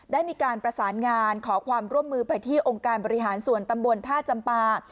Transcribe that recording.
ได้มีการประสานงานขอความร่วมมือไปที่องค์การบริหารส่วนตำบลท่าจำปา